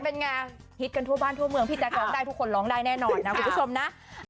เป็นไงฮิตกันทั่วบ้านทั่วเมืองพี่แจ๊คร้องได้ทุกคนร้องได้แน่นอนนะคุณผู้ชมนะ